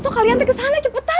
kalian ke sana cepetan